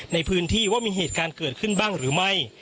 ในพื้นที่ว่ามีเหตุการณ์เกิดขึ้นบ้างหรือไม่